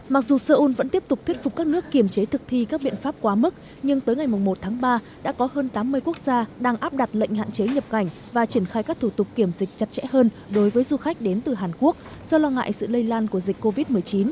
mặc dù seoul vẫn tiếp tục thuyết phục các nước kiểm chế thực thi các biện pháp quá mức nhưng tới ngày một tháng ba đã có hơn tám mươi quốc gia đang áp đặt lệnh hạn chế nhập cảnh và triển khai các thủ tục kiểm dịch chặt chẽ hơn đối với du khách đến từ hàn quốc do lo ngại sự lây lan của dịch covid một mươi chín